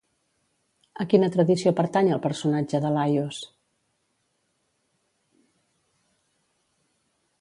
A quina tradició pertany el personatge de Laios?